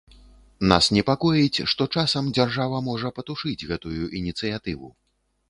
Нас непакоіць, што часам дзяржава можа патушыць гэтую ініцыятыву.